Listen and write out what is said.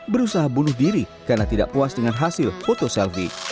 berusaha bunuh diri karena tidak puas dengan hasil foto selfie